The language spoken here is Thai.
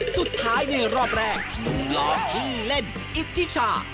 สุดท้ายในรอบแรกสงรองที่เล่นอิปติชา